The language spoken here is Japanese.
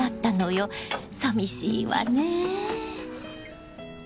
さみしいわね。